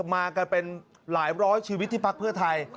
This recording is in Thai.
มากันเป็นหลายร้อยชีวิตที่พักเพื่อไทย